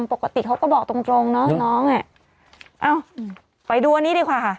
ปกติเขาก็บอกตรงตรงเนอะน้องอ่ะเอ้าไปดูอันนี้ดีกว่าค่ะ